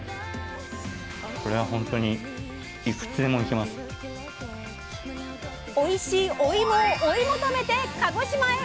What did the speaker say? これはほんとにおいしいおいもを追い求めて鹿児島へ！